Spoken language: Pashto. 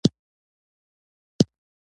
د جمهورریس په حیث وټاکل شوم.